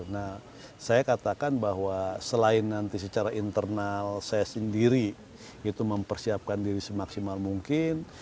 nah saya katakan bahwa selain nanti secara internal saya sendiri itu mempersiapkan diri semaksimal mungkin